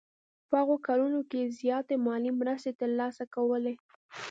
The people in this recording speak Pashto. په هغو کلونو کې یې زیاتې مالي مرستې ترلاسه کولې.